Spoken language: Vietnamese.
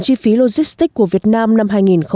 chi phí logistic của việt nam năm